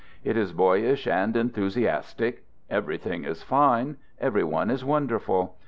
It is boyish and enthusiastic. Everything is fine. Every one is wonderful.